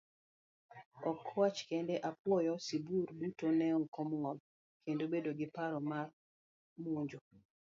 Ok kwach kende, apuoyo, sibuor, duto neok mor, kendo bedo gi paro mar monjo.